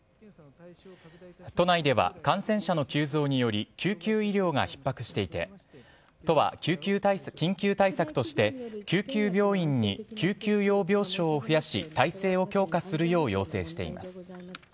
都内では感染者の急増により救急医療がひっ迫していて都は緊急対策として救急病院に救急用病床を増やし体制を強化するよう要請しています。